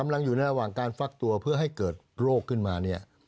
และไม่เกิดโรคขึ้นมาเนี่ย